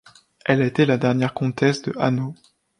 Elle a été la dernière Comtesse de Hanau.